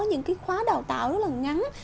những cái khóa đào tạo rất là ngắn